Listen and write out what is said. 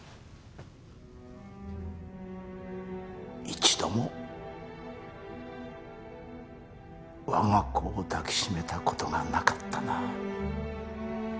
一度も我が子を抱き締めた事がなかったな。